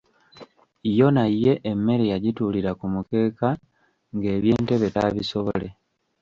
Yona ye emmere yagituulira ku mukeeka ng'eby’entebe taabisobole.